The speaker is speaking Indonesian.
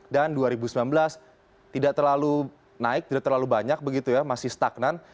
dan dua ribu sembilan belas tidak terlalu naik tidak terlalu banyak begitu ya masih stagnan